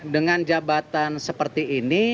dengan jabatan seperti ini